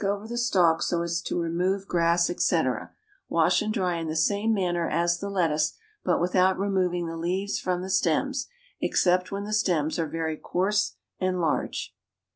= Pick over the stalks so as to remove grass, etc. Wash and dry in the same manner as the lettuce, but without removing the leaves from the stems, except when the stems are very coarse and large.